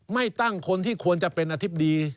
ไม่ตั้งคนที่ควรจะเป็นอธิบดี